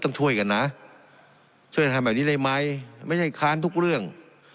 ต้องช่วยกันนะช่วยกันทำแบบนี้ได้ไหมไม่ใช่ค้านทุกเรื่อง